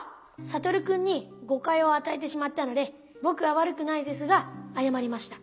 悟君にごかいをあたえてしまったのでぼくはわるくないですがあやまりました。